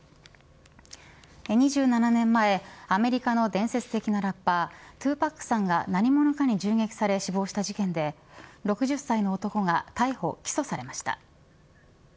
２７年前アメリカの伝説的なラッパー２Ｐａｃさんが何者かに銃撃され死亡した事件で６０歳の男が逮捕、起訴されました。